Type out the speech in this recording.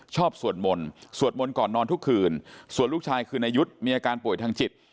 สวดมนต์สวดมนต์ก่อนนอนทุกคืนส่วนลูกชายคือนายุทธ์มีอาการป่วยทางจิต